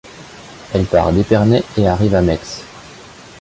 Elle part d'Épernay et arrive à Metz.